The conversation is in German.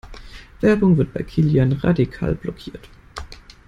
Werbung wird bei Kilian radikal blockiert.